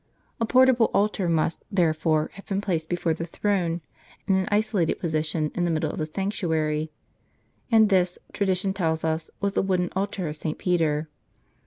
A portable altar must, therefore, have been placed before the throne, in an isolated position in the middle of the sanctuary : and this, tradition tell us, was the wooden altar of St. Peter.